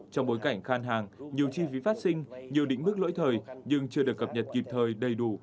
trong bối cảnh khan hàng nhiều chi phí phát sinh nhiều định mức lỗi thời nhưng chưa được cập nhật kịp thời đầy đủ